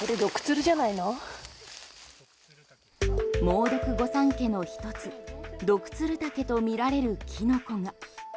猛毒御三家の一つドクツルタケとみられるキノコが。